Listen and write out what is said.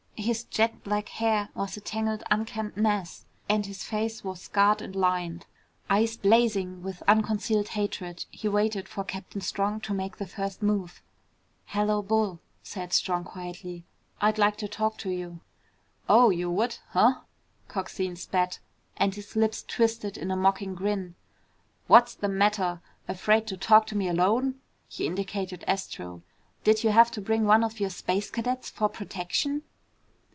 His jet black hair was a tangled unkempt mass, and his face was scarred and lined. Eyes blazing with unconcealed hatred he waited for Captain Strong to make the first move. "Hello, Bull," said Strong quietly. "I'd like to talk to you." "Oh, you would, huh?" Coxine spat and his lips twisted in a mocking grin. "What's the matter? Afraid to talk to me alone?" he indicated Astro. "Did you have to bring one of your Space Cadets for protection?"